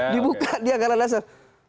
dibuka di angkara dasar